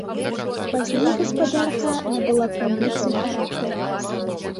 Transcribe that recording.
Пазней гаспадарка набыла комплексны характар.